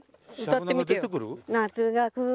歌ってみてよ。